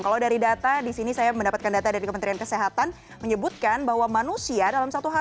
kalau dari data disini saya mendapatkan data dari kementerian kesehatan menyebutkan bahwa manusia dalam satu hari